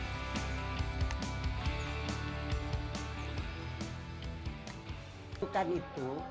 cerutu itu bukan itu